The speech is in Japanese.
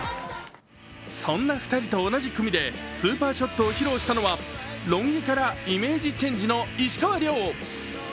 そんな２人と同じ組でスーパーショットを披露したのはロン毛からイメージチェンジの石川遼。